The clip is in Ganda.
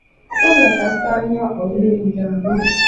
Wabula Kasaanya olina ebigambo.